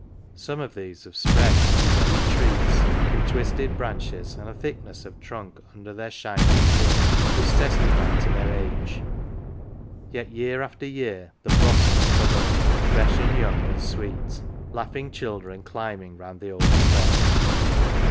Some of these have spread to be very trees, with twisted branches, and a thickness of trunk under their shining green which testify to their age ; yet year after year the blossoms cover them, fresh and young and sweet laughing children climbing round the old stock.